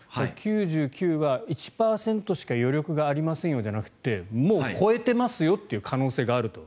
９９は１％しか余力がありませんよじゃなくてもう超えていますよという可能性があると。